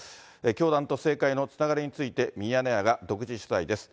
教団と政界のつながりについて、ミヤネ屋が独自取材です。